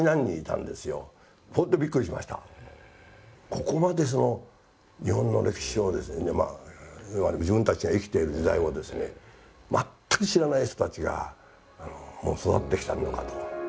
ここまで日本の歴史を自分たちが生きてる時代をですね全く知らない人たちが育ってきたのかと。